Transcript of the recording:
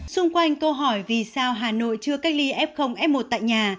xung quanh câu hỏi vì sao hà nội chưa cách ly f f một tại nhà